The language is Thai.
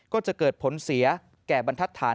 ก็จะเกิดผลเสียแก่บรรทัศน์